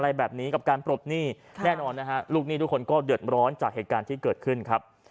อะไรแบบนี้กับการปลดหนี้แน่นอนนะฮะลูกหนี้ทุกคนก็เดือดร้อนจากเหตุการณ์ที่เกิดขึ้นครับ